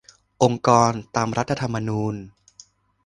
องค์กรตามรัฐธรรมนูญ